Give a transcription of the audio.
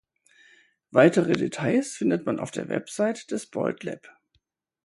Weitere Details findet man auf der Webseite des Boyd Lab.